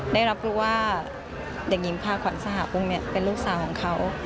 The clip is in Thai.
ได้รับรู้ว่าเด็กหญิงพาขวัญสหพงศ์เป็นลูกสาวของเขา